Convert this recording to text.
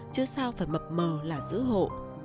chứ sao phải mập mờ là giữ hộ